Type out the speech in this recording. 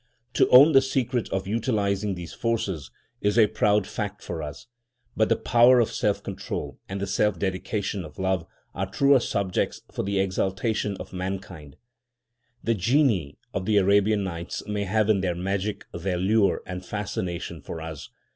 To own the secret of utilising these forces is a proud fact for us, but the power of self control and the self dedication of love are truer subjects for the exultation of mankind. The genii of the Arabian Nights may have in their magic their lure and fascination for us.